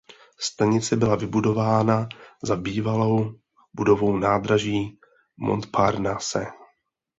Stanice byla vybudována za bývalou budovou nádraží Montparnasse.